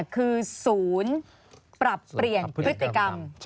คือศูนย์ปรับเปลี่ยนพฤติกรรม